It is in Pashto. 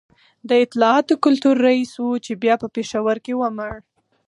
د اطلاعاتو کلتور رئیس و چي بیا په پېښور کي ومړ